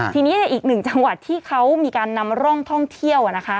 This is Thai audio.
ทีนี้ในอีกหนึ่งจังหวัดที่เขามีการนำร่องท่องเที่ยวนะคะ